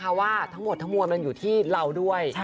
เพราะว่าทั้งหมดทั้งมวลมันอยู่ที่เราด้วย